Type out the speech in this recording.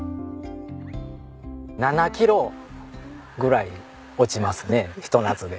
７キロぐらい落ちますねひと夏で。